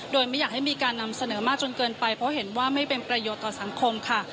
โดยไม่อยากให้มีการนำเสนอมากจนเกินไปเพราะเห็นว่าไม่เป็นประโยชน์ต่อสังคมค่ะ